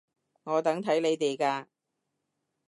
我等睇你哋㗎